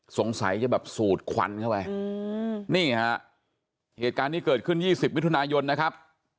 สงสัยจะแบบสูดควันเข้าไปนี่ฮะเหตุการณ์นี้เกิดขึ้น๒๐มิถุนายนนะครับ